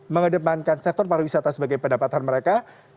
mengedepankan sektor para wisata sebagai pendapatan mereka